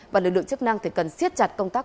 và lực lượng chức năng thì cần siết chặt công tác